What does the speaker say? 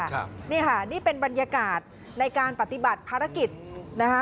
ครับนี่ค่ะนี่เป็นบรรยากาศในการปฏิบัติภารกิจนะคะ